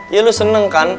iya lu seneng kan